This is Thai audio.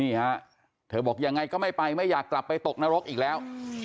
นี่ฮะเธอบอกยังไงก็ไม่ไปไม่อยากกลับไปตกนรกอีกแล้ว